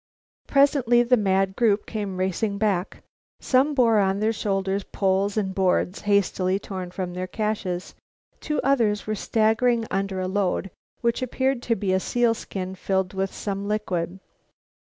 Presently the mad group came racing back. Some bore on their shoulders poles and boards hastily torn from their caches. Two others were staggering under a load which appeared to be a sealskin filled with some liquid.